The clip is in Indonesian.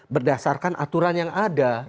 berdasarkan aturan yang ada